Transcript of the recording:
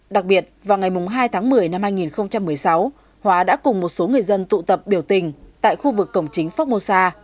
đặc biệt vào ngày hai tháng một mươi năm hai nghìn một mươi sáu hóa đã cùng một số người dân tụ tập biểu tình tại khu vực cổng chính formosa